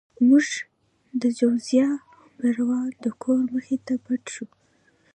موږ د جوزیا براون د کور مخې ته پټ شو.